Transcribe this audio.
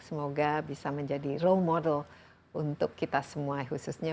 semoga bisa menjadi role model untuk kita semua khususnya